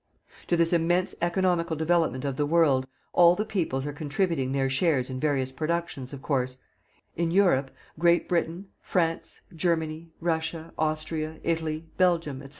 To this intense economical development of the world, all the peoples are contributing their shares in various proportions, of course: In Europe, Great Britain, France, Germany, Russia, Austria, Italy, Belgium, &c.